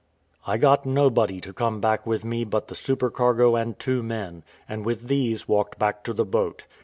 I got nobody to come back with me but the supercargo and two men, and with these walked back to the boat.